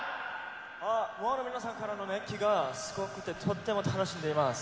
ファンの皆さんからの熱気がすごくて、とっても楽しんでいます。